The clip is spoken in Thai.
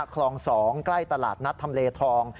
คลอง๒ใกล้ตลาดนัดทำเลทอง